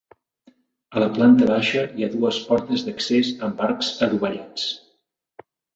A la planta baixa hi ha dues portes d'accés amb arcs adovellats.